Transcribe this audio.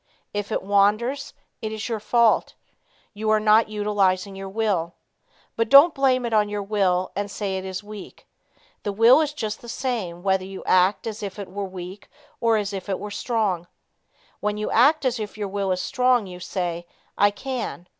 If it wanders, it is your fault. You are not utilizing your will. But, don't blame it on your will and say it is weak. The will is just the same whether you act as if it were weak or as if it were strong. When you act as if your will is strong you say, "I can."